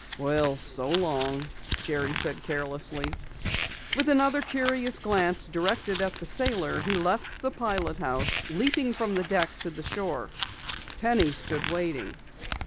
"Well, so long," Jerry said carelessly. With another curious glance directed at the sailor, he left the pilot house, leaping from the deck to shore. Penny stood waiting.